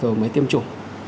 rồi mới tiêm chủng